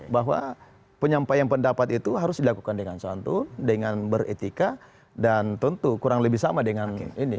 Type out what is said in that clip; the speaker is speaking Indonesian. bahwa penyampaian pendapat itu harus dilakukan dengan santun dengan beretika dan tentu kurang lebih sama dengan ini